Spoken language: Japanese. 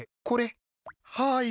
はい。